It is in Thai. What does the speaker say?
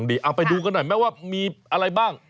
เอาไปดูกันหน่อยไหมว่ามีอะไรบ้าง